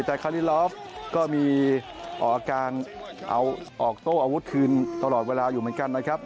แต่คารีลอฟก็มีอาการเอาออกโต้อาวุธคืนตลอดเวลาอยู่เหมือนกันนะครับ